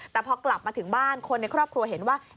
แต่พอกลับมาถึงบ้านคนในครอบครัวเห็นว่า